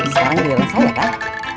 sekarang dia lesa ya kang